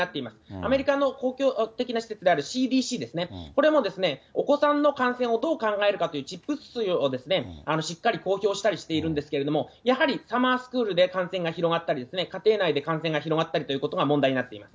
アメリカの公共的な施設であるＣＤＣですね、これも、お子さんの感染をどう考えるかというをしっかり公表したりしているんですけれども、やはりサマースクールで感染が広がったり、家庭内で感染が広がったりということが問題になっています。